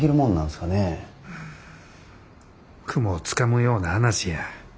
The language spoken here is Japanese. うん雲をつかむような話や。